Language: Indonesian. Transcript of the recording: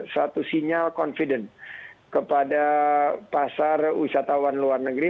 satu sinyal kepercayaan kepada pasar wisatawan luar negeri